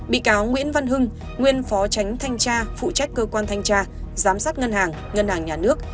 bị cáo nguyễn văn hưng nguyên phó tránh thanh tra phụ trách cơ quan thanh tra giám sát ngân hàng ngân hàng nhà nước